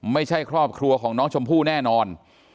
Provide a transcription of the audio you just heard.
ไม่ใช่ครอบครัวของน้องชมพู่แน่นอน